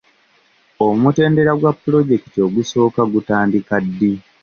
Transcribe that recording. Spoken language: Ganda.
Omutendera gwa pulojekiti ogusooka gutandika ddi?